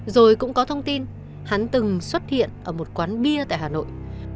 rồi cũng có thông tin hắn từng xuất hiện ở một quán bia tại hà nội